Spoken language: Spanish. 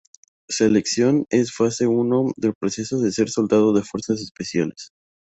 Selección es fase I del proceso para ser soldado de fuerzas especiales.